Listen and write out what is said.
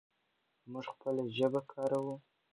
موږ خپله ژبه کاروو.